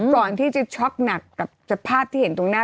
ก่อนที่จะช็อกหนักกับสภาพที่เห็นตรงหน้า